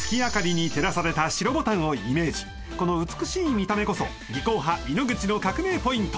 この美しい見た目こそ技巧派・猪口の革命ポイント